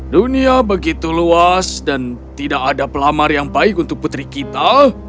dunia begitu luas dan tidak ada pelamar yang baik untuk putri kita